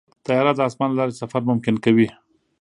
طیاره د اسمان له لارې سفر ممکن کوي.